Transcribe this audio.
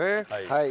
はい。